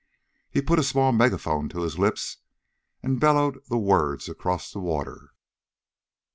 He put a small megaphone to his lips and bellowed the words across the water.